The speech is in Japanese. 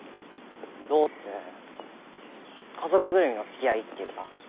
どうって家族ぐるみのつきあいっていうか。